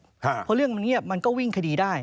เพราะเรื่องมันเงียบมันก็วิ่งคดีได้